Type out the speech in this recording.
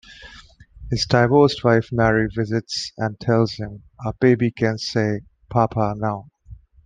His divorced wife Mary visits and tells him, "Our baby can say "papa" now.